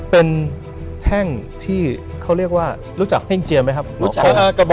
เป็นแช่งที่เขาเรียกว่ารู้จักเฮ่งเจียมไหมครับรู้จัก